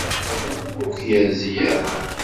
Aya ur k-yerzi ara.